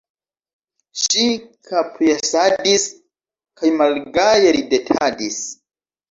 Ŝi kapjesadis kaj malgaje ridetadis.